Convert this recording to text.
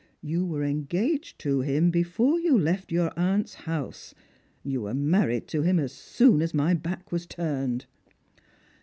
You were engaged to him before you left your aunt's house. You were married to him as soon as my back was turned."